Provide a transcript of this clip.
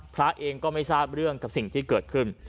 พระเองก็ไม่ทราบเรื่องกับสิ่งที่เกิดขึ้น